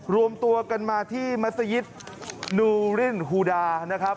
รวมตัวกันมาที่มัศยิตนูรินฮูดานะครับ